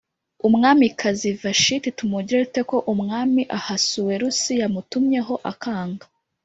Umwamikazi Vashiti tumugire dute ko Umwami Ahasuwerusi yamutumyeho akanga